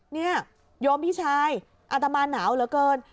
โยมพี่ชายอาตมาหนาวเหลือเกิน